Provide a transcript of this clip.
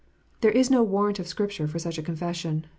There is no warrant of Scripture for such a confession.